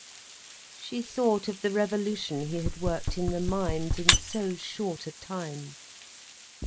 She thought of the revolution he had worked in the mines, in so short a time.